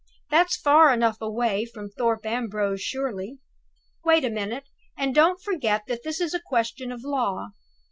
"That's far enough away from Thorpe Ambrose, surely? Wait a minute, and don't forget that this is a question of law.